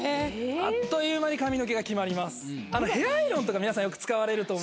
あっという間に髪の毛が決まります。